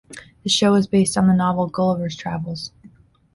The show is based on the novel "Gulliver's Travels".